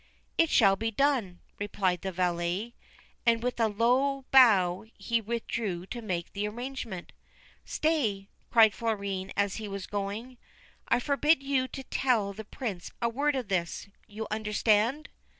' It shall be done,' replied the valet, and with a low bow he withdrew to make the arrangement. ' Stay !' cried Florine as he was going. ' I forbid you to tell the Prince a word of this. You understand